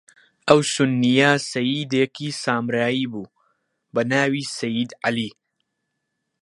ئەو سوننییە سەییدێکی سامرایی بوو، بە ناوی سەیید عەلی